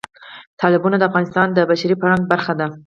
تالابونه د افغانستان د بشري فرهنګ برخه ده.